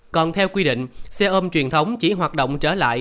còn theo quy định xe ôm truyền thống chỉ hoạt động trở lại